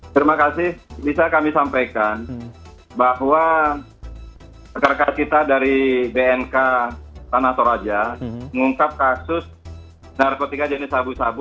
terima kasih bisa kami sampaikan bahwa pekerja kita dari bnk tanah toraja mengungkap kasus narkotika jenis sabu sabu